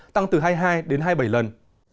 tăng từ hai mươi hai đến hai mươi bảy lần